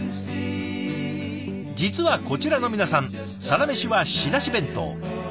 実はこちらの皆さんサラメシは仕出し弁当。